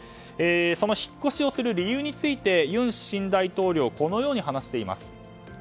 その引っ越しをする理由について尹新大統領はこのように話しています。